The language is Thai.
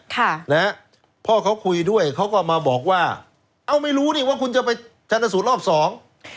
ค่ะนะฮะพ่อเขาคุยด้วยเขาก็มาบอกว่าเอ้าไม่รู้นี่ว่าคุณจะไปชนสูตรรอบสอง